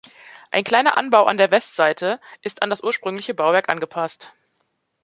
Ein kleiner Anbau an der Westseite ist an das ursprüngliche Bauwerk angepasst.